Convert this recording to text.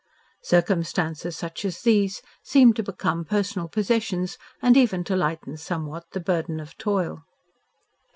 Circumstances such as these seemed to become personal possessions and even to lighten somewhat the burden of toil.